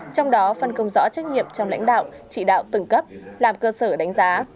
trong đó phân công rõ trách nhiệm trong lãnh đạo chỉ đạo từng cấp làm cơ sở đánh giá